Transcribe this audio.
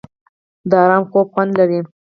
د ارام خوب خوند لري.